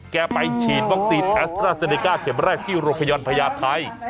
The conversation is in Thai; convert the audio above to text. แกไปฉีดบ๊องซีนแอสเตอร์ซีนิก้าเจ็บแรกที่โรคยรพญาปัญญาไทย